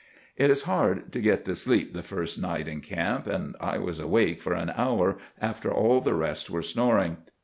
It is hard to get to sleep the first night in camp, and I was awake for an hour after all the rest were snoring.